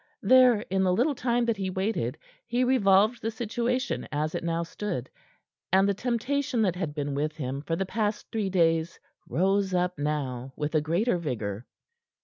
There, in the little time that he waited, he revolved the situation as it now stood, and the temptation that had been with him for the past three days rose up now with a greater vigor.